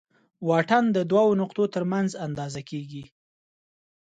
واټن د دوو نقطو تر منځ اندازه ده.